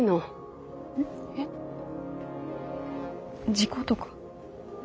事故とか？